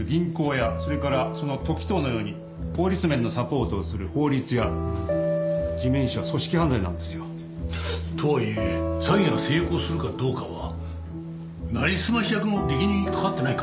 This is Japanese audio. それからその時任のように法律面のサポートをする「法律屋」地面師は組織犯罪なんですよ。とはいえ詐欺が成功するかどうかはなりすまし役の出来にかかってないか？